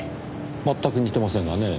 全く似てませんがねぇ。